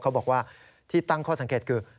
เขาบอกว่าที่ตั้งข้อสังเกตคือ